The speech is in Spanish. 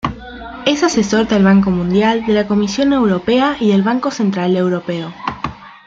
Es asesor del Banco Mundial, de la Comisión Europea y del Banco Central Europeo.